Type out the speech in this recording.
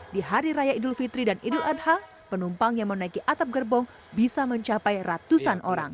di hari raya idul fitri dan idul adha penumpang yang menaiki atap gerbong bisa mencapai ratusan orang